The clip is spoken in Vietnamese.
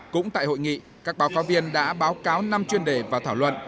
cũng tại hội nghị các báo cáo viên đã báo cáo năm chuyên đề và thảo luận